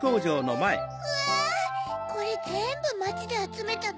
うわこれぜんぶまちであつめたの？